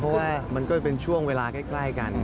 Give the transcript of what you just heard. เพราะว่ามันก็เป็นช่วงเวลาใกล้กัน